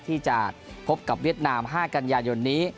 ที่จะพบกับเวียดนาม๕กันยายนนี้